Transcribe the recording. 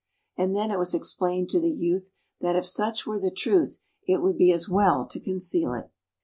And then it was explained to the youth that if such were the truth it would be as well to conceal it.